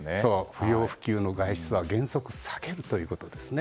不要不急の外出は原則避けるということですね。